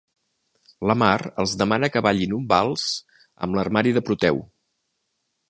La Mar els demana que ballin un vals amb l'armari de Proteu.